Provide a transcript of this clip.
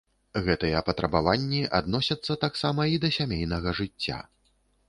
Гэтыя патрабаванні адносяцца таксама і да сямейнага жыцця.